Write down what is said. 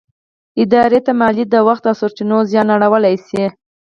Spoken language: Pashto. ادارې ته مالي، د وخت او سرچينو زیان اړولی شي.